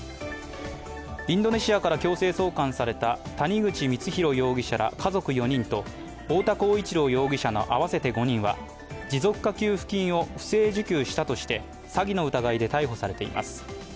インドネシアから強制送還された谷口光弘容疑者ら家族４人と太田浩一朗容疑者の合わせて５人は持続化給付金を不正受給したとして詐欺の疑いで逮捕されています。